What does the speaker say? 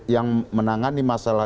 yang menangani masalah